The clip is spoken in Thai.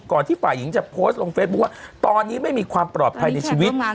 ที่ฝ่ายหญิงจะโพสต์ลงเฟซบุ๊คว่าตอนนี้ไม่มีความปลอดภัยในชีวิต